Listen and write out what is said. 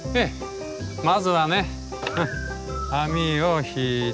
まずはね網を敷いてと。